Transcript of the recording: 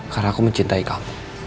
karena aku mencintai kamu